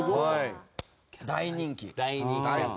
大人気。